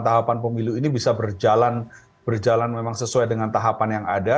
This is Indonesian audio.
tahapan pemilu ini bisa berjalan memang sesuai dengan tahapan yang ada